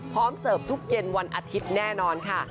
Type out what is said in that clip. เสิร์ฟทุกเย็นวันอาทิตย์แน่นอนค่ะ